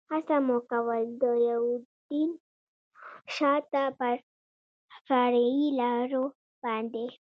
هڅه مو کول، د یوډین شاته پر فرعي لارو باندې.